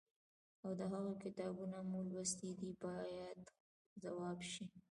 او د هغوی کتابونه مو لوستي دي باید ځواب شي.